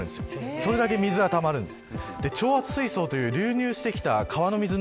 それだけ水がたまるんです。